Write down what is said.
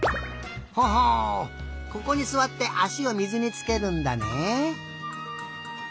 ほほうここにすわってあしを水につけるんだね。